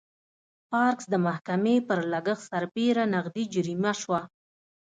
پارکس د محکمې پر لګښت سربېره نغدي جریمه شوه.